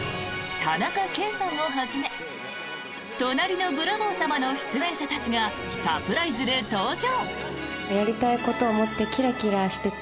田中圭さんをはじめ「隣のブラボー様」の出演者たちがサプライズで登場！